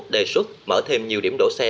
đề xuất mở thêm nhiều điểm đỗ xe